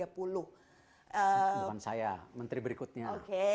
bukan saya menteri berikutnya